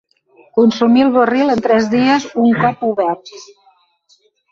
Consumir el barril en tres dies un cop obert.